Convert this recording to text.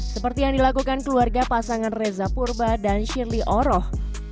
seperti yang dilakukan keluarga pasangan reza purba dan shirley oroh